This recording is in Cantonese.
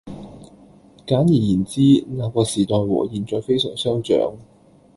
簡而言之，那個時代和現在非常相像